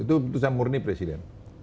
itu keputusan murni presiden